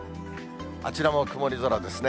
あちらも曇り空ですね。